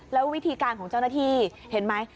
แล้ววิธีการของเจ้าหน้าที่เห็นไหม